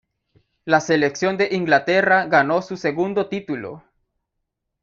La selección de Inglaterra ganó su segundo título.